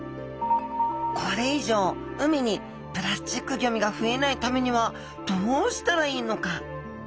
これ以上海にプラスチックゴミが増えないためにはどうしたらいいのか？